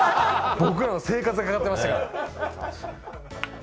僕らの生活がかかってましたから。